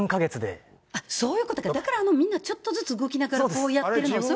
そういうことか、だからみんなちょっとずつ動きながら、こうやってるのそういうことなん。